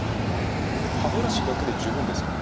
歯ブラシだけで十分ですか？